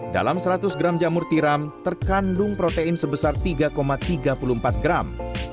dalam seratus gram jamur tiram terkandung protein sebesar tiga tiga puluh empat gram